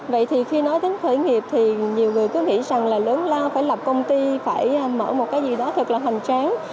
vậy thì khi nói đến khởi nghiệp thì nhiều người cứ nghĩ rằng là lớn lao phải lập công ty phải mở một cái gì đó thật là hoành tráng